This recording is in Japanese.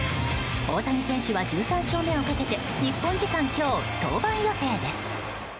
大谷選手は１３勝目をかけて日本時間今日、登板予定です。